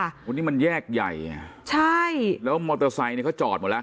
วันนี้มันแยกใหญ่ไงใช่แล้วมอเตอร์ไซค์เนี้ยเขาจอดหมดแล้ว